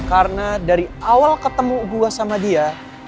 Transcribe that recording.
karena dari awal ketemu gue sama dia